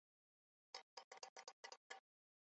码头现时提供由澳门至香港等多条航线。